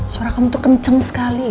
suara kamu tuh kenceng sekali